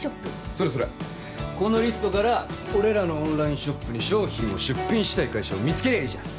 それそれこのリストから俺らのオンラインショップに商品を出品したい会社を見つけりゃいいじゃん